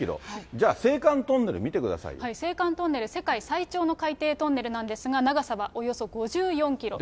じゃあ、青函トンネル見てくださ青函トンネル、世界最長の海底トンネルなんですが、長さはおよそ５４キロ。